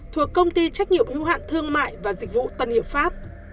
thuộc công ty trách nhiệm hữu hạn thương mại và dịch vụ tân hiệp pháp